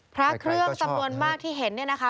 พระเครื่องจำนวนมากที่เห็นเนี่ยนะคะ